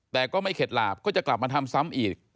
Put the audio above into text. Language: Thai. แต่ก็ไม่เข็ดหลาบก็จะกลับมาทำซ้ำอีก